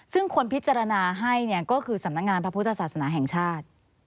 ซึ่งคนพิจารณาให้ก็คือสำนักงานพระพุทธศาสนาแห่งชาติ